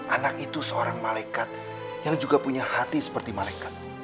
anak itu seorang malaikat yang juga punya hati seperti malaikat